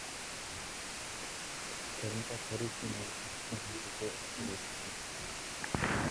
Заримдаа Парисын өвөл урьдынхаас илүү урт үргэлжилнэ.